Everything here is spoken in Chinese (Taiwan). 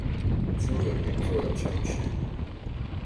今年也做了嘗試